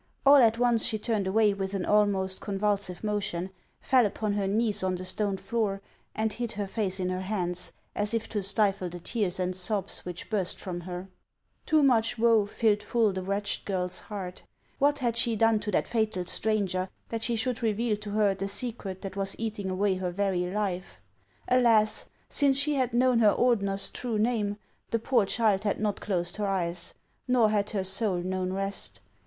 All at once she turned away with an almost convul sive motion, fell upon her knees on the stone floor, and hid her face in her hands, as if to stifle the tears and sobs which burst from her. Too much woe filled full the wretched girl's heart. "What had she done to that fatal stranger, that she should reveal to her the secret that was eating away her very life ? Alas ! since she had known her Ordener's true name, the poor child had not closed her eyes, nor had her soul known rest.